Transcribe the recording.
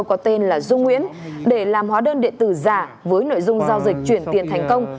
có tên là dung nguyễn để làm hóa đơn điện tử giả với nội dung giao dịch chuyển tiền thành công